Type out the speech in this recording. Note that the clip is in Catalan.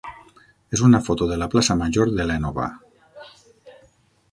és una foto de la plaça major de l'Énova.